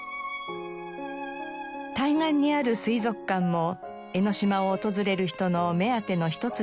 対岸にある水族館も江の島を訪れる人の目当ての一つです。